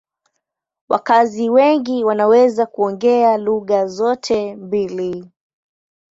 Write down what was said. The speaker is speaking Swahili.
Wakazi wengi wanaweza kuongea lugha zote mbili.